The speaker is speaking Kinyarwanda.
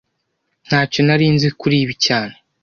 Ntacyo nari nzi kuri ibi cyane